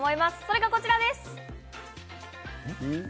それがこちらです。